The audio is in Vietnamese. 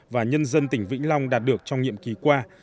và nhân dân tỉnh vĩnh long đạt được trong nhiệm kỳ qua